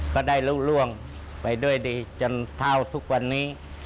ก็ได้รู้ร่วงไปด้วยดีจนเท่าทุกวันนี้